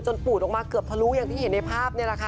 จนปูดออกมาเกี่ยวประรู้อย่างที่เห็นในภาพ